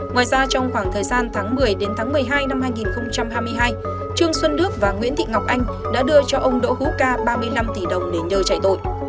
ngoài ra trong khoảng thời gian tháng một mươi đến tháng một mươi hai năm hai nghìn hai mươi hai trương xuân đức và nguyễn thị ngọc anh đã đưa cho ông đỗ hữu ca ba mươi năm tỷ đồng để nhờ chạy tội